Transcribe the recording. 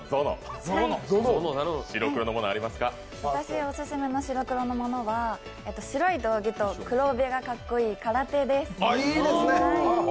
私、オススメの「白黒のもの」は白い道着と黒帯がかっこいい空手です。